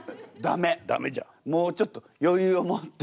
もうちょっとよゆうを持って。